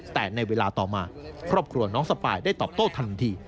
แต่ในเวลาต่อมาครอบครัวน้องสปายได้ตอบโต้ทันที